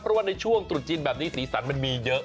เพราะว่าในช่วงตรุษจีนแบบนี้สีสันมันมีเยอะ